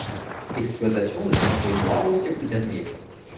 Exploitation de cendres noires au siècle dernier.